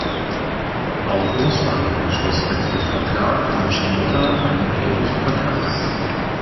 Auch Russland schloss mit dem Vertrag von Shimoda einen ähnlichen Vertrag.